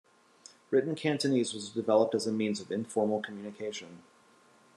Written Cantonese was developed as a means of informal communication.